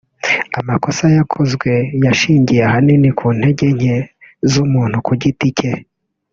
Amakosa yakozwe yashingiye ahanini ku ntege nke z’umuntu ku giti cye